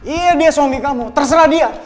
iya dia suami kamu terserah dia